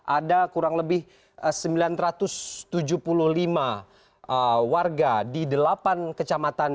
ada kurang lebih sembilan ratus tujuh puluh lima warga di delapan kecamatan